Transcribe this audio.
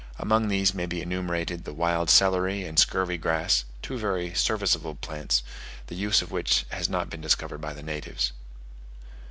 Among these may be enumerated the wild celery and scurvy grass, two very serviceable plants, the use of which has not been discovered by the natives.